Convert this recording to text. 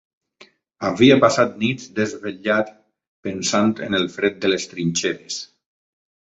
Havia passat nits desvetllat pensant en el fred de les trinxeres